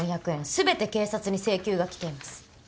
全て警察に請求が来ています。